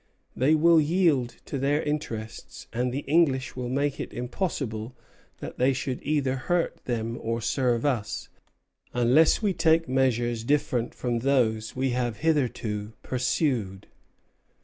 They will yield to their interests; and the English will make it impossible that they should either hurt them or serve us, unless we take measures different from those we have hitherto pursued."